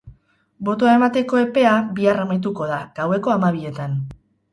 Botoa emateko epea bihar amaituko da, gaueko hamabietan.